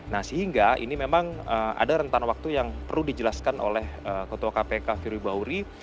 nah sehingga ini memang ada rentan waktu yang perlu dijelaskan oleh ketua kpk firly bauri